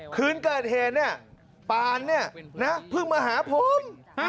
คืนเกิดเหนี่ยป่านเนี่ยพึ่งมาหาผม